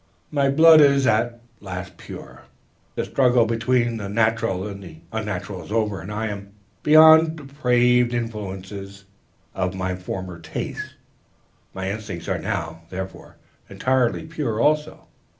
'My blood is at last pure. The struggle between the natural and the unnatural is over, and I am beyond the depraved influences of my former taste. My instincts are now, therefore, entirely pure also.